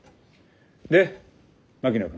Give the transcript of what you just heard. で槙野君。